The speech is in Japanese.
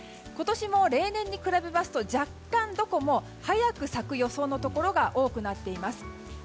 今年も例年に比べますとどこも、若干早く咲く予想のところが多くなっています。